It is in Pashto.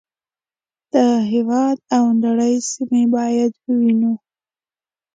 د هېواد او نړۍ سیمې باید ووینو.